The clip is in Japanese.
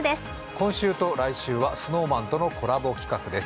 今週と来週はＳｎｏｗＭａｎとのコラボ企画です。